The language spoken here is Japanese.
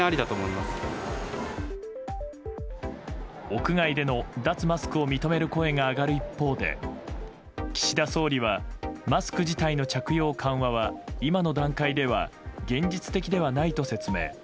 屋外での脱マスクを認める声が上がる一方で岸田総理はマスク自体の着用緩和は今の段階では現実的ではないと説明。